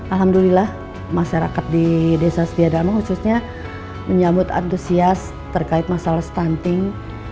alhamdulillah masyarakat di desa setia dharma khususnya menyambut antusias terkait masalah stunting